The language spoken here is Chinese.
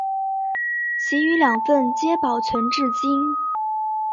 其余两份皆保存至今。